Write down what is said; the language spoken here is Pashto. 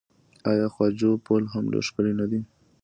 آیا خواجو پل هم ډیر ښکلی نه دی؟